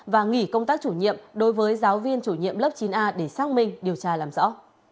và nghỉ công tác chủ nhiệm đối với giáo viên chủ nhiệm lớp chín a để xác minh điều tra làm rõ